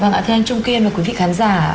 vâng ạ thưa anh trung kiên và quý vị khán giả